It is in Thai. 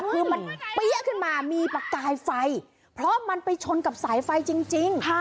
คือมันเปี้ยขึ้นมามีประกายไฟเพราะมันไปชนกับสายไฟจริง